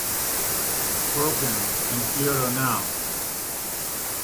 "Broken" and "Kyoto Now!